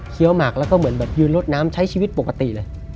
หมักแล้วก็เหมือนแบบยืนลดน้ำใช้ชีวิตปกติเลย